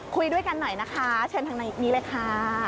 คุยด้วยกันหน่อยนะคะเชิญทางนี้เลยค่ะ